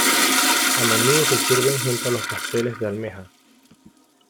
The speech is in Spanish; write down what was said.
A menudo se sirven junto a pasteles de almeja.